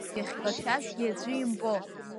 Иахькашәазгьы аӡәы имбо.